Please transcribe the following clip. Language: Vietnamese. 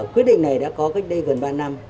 quyết định này đã có cách đây gần ba năm